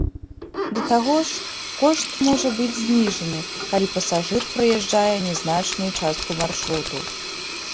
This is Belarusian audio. Да таго ж, кошт можа быць зніжаны, калі пасажыр праязджае нязначную частку маршруту.